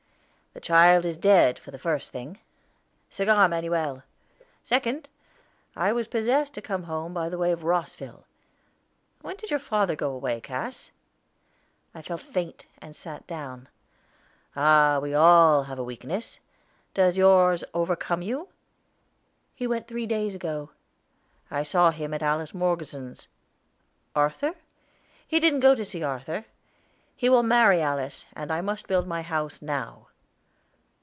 "The child is dead, for the first thing. (Cigar, Manuel.) Second, I was possessed to come home by the way of Rosville. When did your father go away, Cass?" I felt faint, and sat down. "Ah, we all have a weakness; does yours overcome you?" "He went three days ago." "I saw him at Alice Morgeson's." "Arthur?" "He didn't go to see Arthur. He will marry Alice, and I must build my house now."